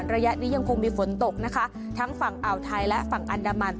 ระยะนี้ยังคงมีฝนตกนะคะทั้งฝั่งอ่าวไทยและฝั่งอันดามัน